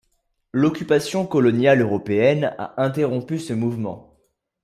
L’occupation coloniale européenne a interrompu ce mouvement.